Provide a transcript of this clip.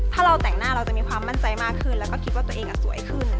ถ้าเราแต่งหน้าเราจะมีความมั่นใจมากขึ้นแล้วก็คิดว่าตัวเองสวยขึ้น